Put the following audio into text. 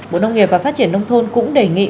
bộ nông nghiệp và phát triển nông thôn cũng đề nghị